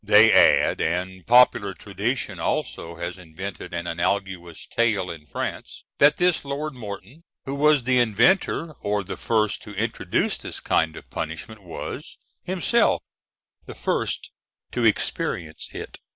They add, and popular tradition also has invented an analogous tale in France, that this Lord Morton, who was the inventor or the first to introduce this kind of punishment, was himself the first to experience it.